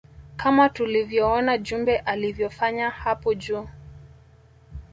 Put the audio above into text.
Kama tulivyoona jumbe alivyofanya hapo juu